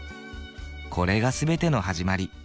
これが全ての始まり。